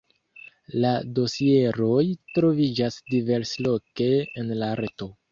La dosieroj troviĝas diversloke en la reto.